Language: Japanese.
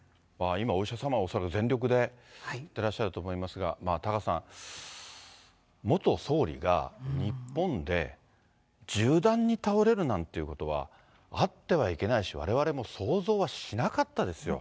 今、お医者様、恐らく全力でやってらっしゃると思いますが、タカさん、元総理が日本で銃弾に倒れるなんていうことは、あってはいけないし、われわれも想像はしなかったですよ。